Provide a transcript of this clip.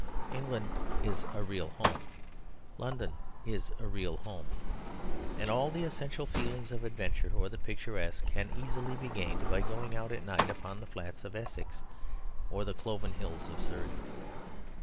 England is a real home; London is a real home; and all the essential feelings of adventure or the picturesque can easily be gained by going out at night upon the flats of Essex or the cloven hills of Surrey.